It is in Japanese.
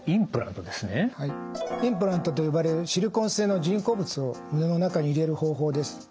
インプラントと呼ばれるシリコン製の人工物を胸の中に入れる方法です。